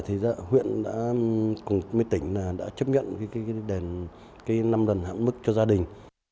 thì huyện đã cùng với tỉnh đã chấp nhận cái năm lần hạn mức cho gia đình